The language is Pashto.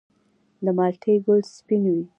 د مالټې ګل سپین وي؟